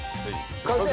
完成！